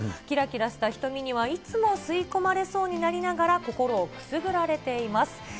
きらきらした瞳にはいつも吸い込まれそうになりながら心をくすぐられています。